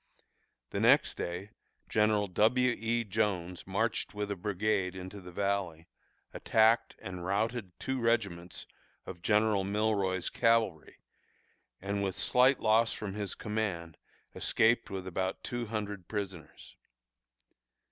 The next day General W. E. Jones marched with a brigade into the Valley, attacked and routed two regiments of General Milroy's cavalry, and, with slight loss from his command, escaped with about two hundred prisoners.